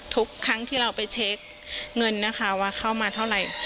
ทุกครั้งที่เราไปเช็คเงินนะคะว่าเข้ามาเท่าไหร่